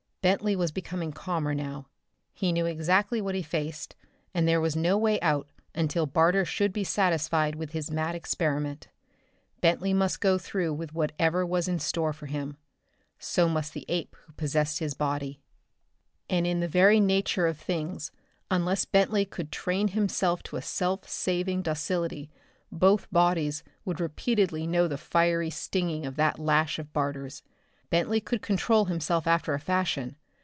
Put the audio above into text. Bentley was becoming calmer now. He knew exactly what he faced, and there was no way out until Barter should be satisfied with his mad experiment. Bentley must go through with whatever was in store for him. So must the ape who possessed his body and in the very nature of things unless Bentley could train himself to a self saving docility, both bodies would repeatedly know the fiery stinging of that lash of Barter's. Bentley could control himself after a fashion.